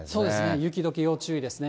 雪どけ要注意ですね。